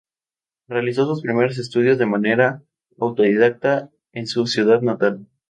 Realizó sus primeros estudios de manera autodidacta en su ciudad natal.